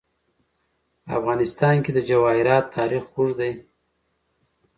په افغانستان کې د جواهرات تاریخ اوږد دی.